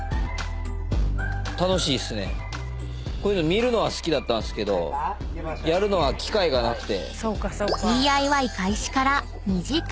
こういうの見るのは好きだったんすけどやるのは機会がなくて。